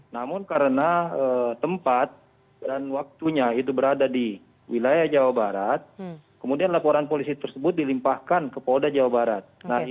namun karena tempat dan waktunya berada di wilayah jawa barat kemudian laporan pesawat tersebut melimpahkan kepolda jawa barat